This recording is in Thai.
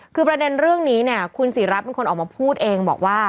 คือประเด็นเรื่องนี้เนี่ยคุณศรีรัฐเป็นคนออกมาพูดเองบอกว่า